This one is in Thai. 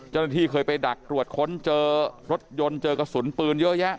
เจ้าหน้าที่เคยไปดักตรวจค้นเจอรถยนต์เจอกระสุนปืนเยอะแยะ